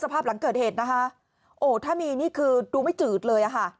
สภาพหลังเกิดเหตุถ้ามีนี่คือดูไม่จืดเลย